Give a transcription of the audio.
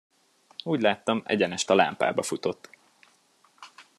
Úgy láttam, egyenest a lámpába futott.